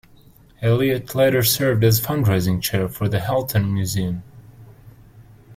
Elliot later served as fundraising chair for the Halton Museum.